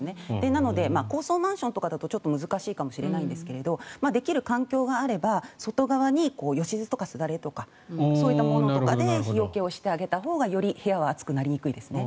なので、高層マンションとかだとちょっと難しいかもしれないですができる環境があれば外側によしずとかすだれとかそういったもので日よけをしてあげたほうがいいですね。